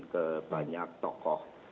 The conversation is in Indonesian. ke banyak tokoh